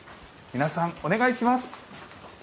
皆さん、お願いします。